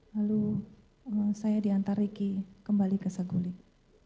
lalu saya diantar riki kembali ke saguling